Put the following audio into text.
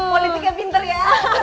politiknya pinter ya